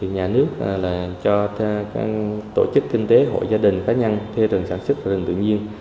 nhà nước là cho tổ chức kinh tế hội gia đình cá nhân thuê rừng sản xuất là rừng tự nhiên